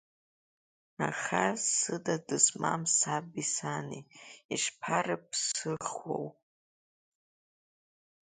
Аха сыда дызмам саби сани ишԥарыԥсыхуоу?